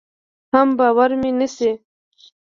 حم باور مې نشي.